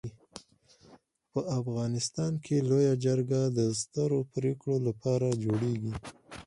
په افغانستان کي لويه جرګه د سترو پريکړو لپاره جوړيږي.